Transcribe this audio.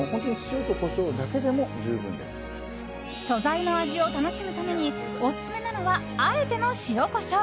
素材の味を楽しむためにオススメなのはあえての塩、コショウ。